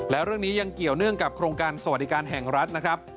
และเรื่องนี้ยังเกี่ยวเนื่องกับโครงการสวัสดิการแห่งรัฐนะครับ